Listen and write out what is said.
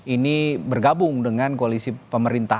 ini bergabung dengan koalisi pemerintah